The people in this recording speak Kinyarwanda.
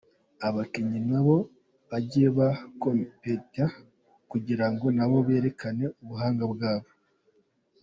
abakinnyi nabo bajye ba competent kugirango nabo berekane ubuhanga bwabo.